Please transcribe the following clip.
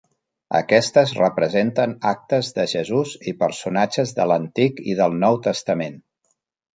Aquestes representen actes de Jesús i personatges de l'Antic i del Nou Testament.